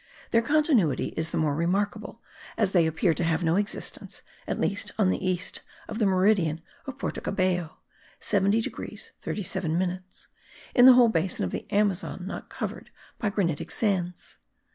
Their continuity is the more remarkable, as they appear to have no existence, at least on the east of the meridian of Porto Cabello (70 degrees 37 minutes) in the whole basin of the Amazon not covered by granitic sands.